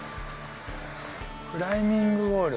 クライミングウォール。